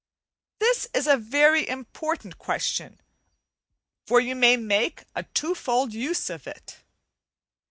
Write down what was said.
This is a very important question for you may make a twofold use of it.